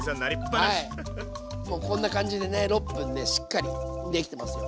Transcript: もうこんな感じでね６分しっかりできてますよ。